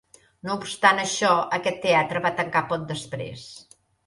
No obstant això, aquest teatre va tancar poc després.